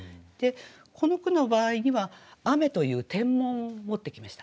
この句の場合には「雨」という天文を持ってきました。